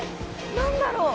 何だろう？